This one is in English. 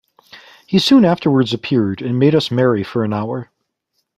He soon afterwards appeared and made us merry for an hour.